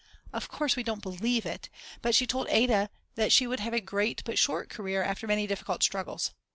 Of course we don't believe it, but she told Ada that she would have a great but short career after many difficult struggles.